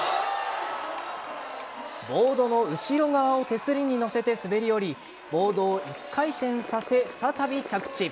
ボードの後ろ側を手すりに乗せて滑り降りボードを１回転させ、再び着地。